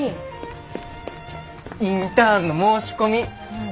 インターンの申し込み。